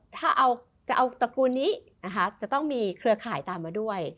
ถ้าจะเอาตระกูลนี้นะคะจะต้องมีเครือข่ายตามมาด้วย